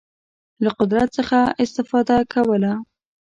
له قدرت څخه استفاده کوله.